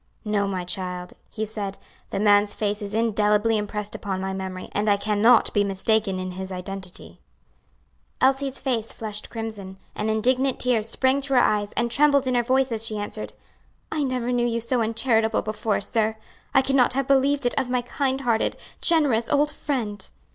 "No, my child," he said, "the man's face is indelibly impressed upon my memory, and I can not be mistaken in his identity." Elsie's face flushed crimson, and indignant tears sprang to her eyes and trembled in her voice as she answered, "I never knew you so uncharitable before, sir. I could not have believed it of my kind hearted, generous old friend."